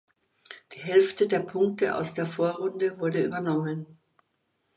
Die Hälfte der Punkte aus der Vorrunde wurde übernommen.